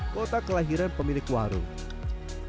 kota kelahiran pemilik warung